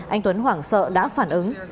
anh tuấn hoảng sợ đã phản ứng